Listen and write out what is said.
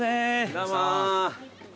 どうも！